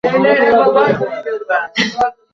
একটি মনমোহন দেশাই অ্যাঙ্গেলও রেখো, কাজে আসবে কোন।